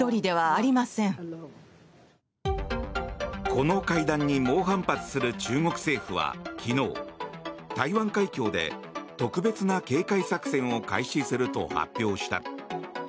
この会談に猛反発する中国政府は昨日台湾海峡で特別な警戒作戦を開始すると発表した。